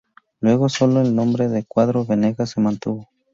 Luego solo el nombre de Cuadro Benegas se mantuvo.